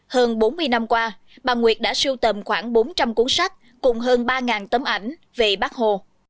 hơn bốn mươi năm qua bà nguyệt đã sưu tầm khoảng bốn trăm linh cuốn sách cùng hơn ba tấm ảnh về bác hồ